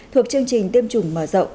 thuộc chương trình tiêm chủng mở rộng